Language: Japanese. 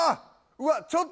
うわっ